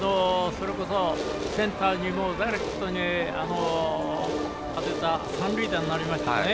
それこそセンターにダイレクトに当てたのが三塁打になりましたね。